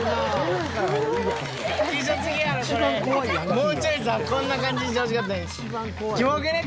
もうちょいこんな感じにしてほしかったのに。